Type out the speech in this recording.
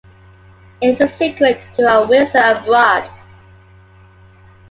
It is the sequel to "A Wizard Abroad".